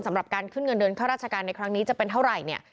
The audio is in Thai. สำหรับการขึ้นเงินเดือนข้าราชการในครั้งนี้จะเป็นเท่าไหร่เนี่ย